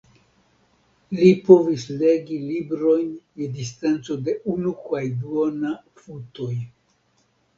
Li povis "legi libron je distanco de unu kaj duona futoj".